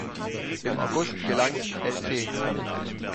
Im August gelang Lt.